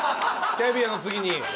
キャビアの次に。